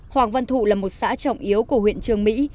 hoàng văn thụ là một xã trọng yếu của huyện trường mỹ